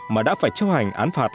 mà đã phải chấp hành án phạt